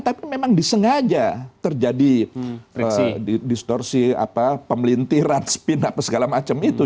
tapi memang disengaja terjadi distorsi pemelintiran spin apa segala macam itu